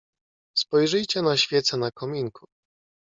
"Spojrzyjcie na świece na kominku."